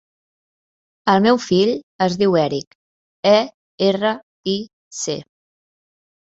El meu fill es diu Eric: e, erra, i, ce.